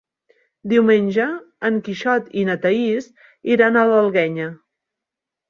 Diumenge en Quixot i na Thaís iran a l'Alguenya.